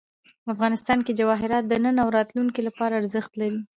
افغانستان کې جواهرات د نن او راتلونکي لپاره ارزښت لري.